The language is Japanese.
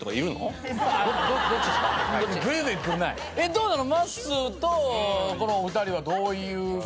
どうなの？